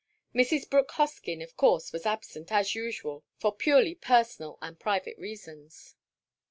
Mrs. Brooke Hoskyn, of course, was absent, as usual, for purely personal and private reasons.